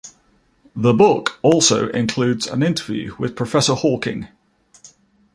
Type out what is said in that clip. The book also includes an interview with Professor Hawking.